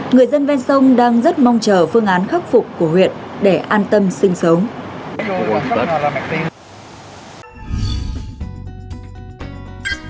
người dân bên sông đang rất mong chờ phương án khắc phục của huyện để an tâm sinh vật